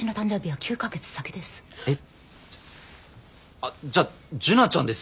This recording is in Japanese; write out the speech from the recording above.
あっじゃあ樹奈ちゃんですよ。